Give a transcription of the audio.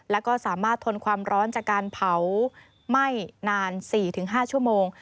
แล้วก็สามารถทนความร้อนจากการเผาไหม้นาน๔๕ชั่วโมง